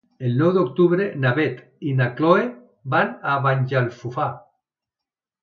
El nou d'octubre na Beth i na Chloé van a Banyalbufar.